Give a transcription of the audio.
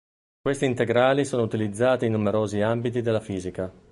Questi integrali sono utilizzati in numerosi ambiti della fisica.